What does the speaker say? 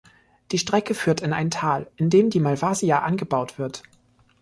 Die Strecke führt in ein Tal, in dem der Malvasia angebaut wird.